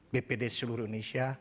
bpd seluruh indonesia